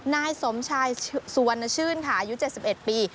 นายสมชายสุวรรณชื่นค่ะอายุ๗๑ปี